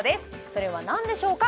それは何でしょうか